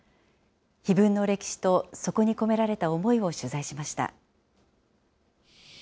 碑文の歴史と、そこに込められた思いを取材しました。